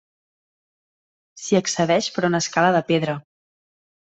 S'hi accedeix per una escala de pedra.